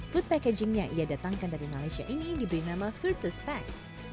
food packaging yang ia datangkan dari malaysia ini diberi nama virtus pack